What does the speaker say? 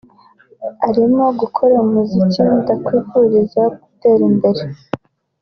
arimo gukora umuziki ndamwifuriza gutera imbere